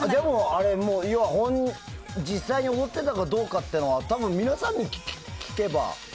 実際に踊ってたかどうかって多分皆さんに聞けば。